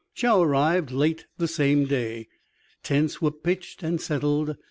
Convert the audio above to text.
Chow arrived late the same day. Tents were pitched and settled.